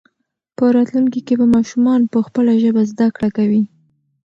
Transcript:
په راتلونکي کې به ماشومان په خپله ژبه زده کړه کوي.